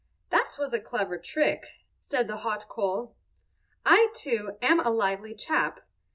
"That was a clever trick," said the hot coal. "I, too, am a lively chap.